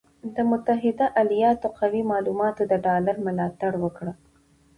د متحده ایالاتو قوي معلوماتو د ډالر ملاتړ وکړ،